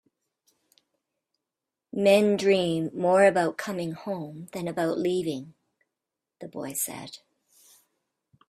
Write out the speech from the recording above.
"Men dream more about coming home than about leaving," the boy said.